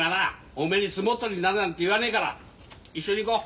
おめえに相撲取りになれなんて言わねえから一緒に行こう。